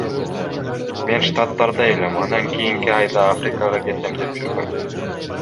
Мен Штаттарда элем, анан кийинки айда Африкага кетем деп жүргөм.